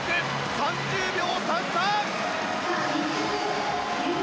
３０秒３３！